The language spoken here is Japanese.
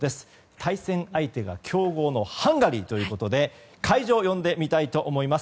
対戦相手は強豪のハンガリーということで会場を呼んでみたいと思います。